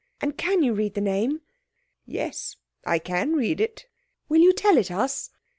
And can you read the name?" "Yes, I can read it." "Will you tell it us?"